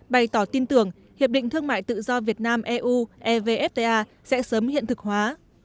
bày tỏ tin tưởng hiệp định thương mại tự do việt nam eu evfta sẽ sớm hiện thực hóa